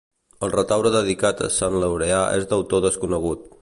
El retaule dedicat a Sant Laureà és d'autor desconegut.